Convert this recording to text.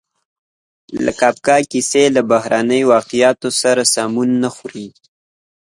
د کافکا کیسې له بهرني واقعیت سره سمون نه خوري.